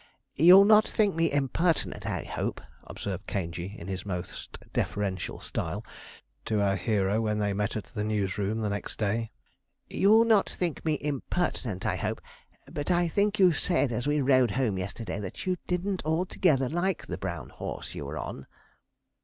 'You'll not think me impertinent, I hope,' observed Caingey, in his most deferential style, to our hero when they met at the News' room the next day 'you'll not think me impertinent, I hope; but I think you said as we rode home, yesterday, that you didn't altogether like the brown horse you were on?'